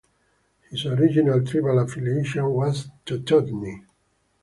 His original tribal affiliation was Tututni.